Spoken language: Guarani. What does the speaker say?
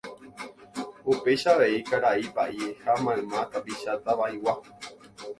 upéicha avei karai pa'i ha mayma tapicha Tava'igua